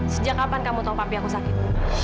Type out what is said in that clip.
sejak kapan kamu topi aku sakit